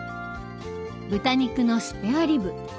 豚肉のスペアリブ。